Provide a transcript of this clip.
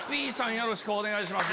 よろしくお願いします。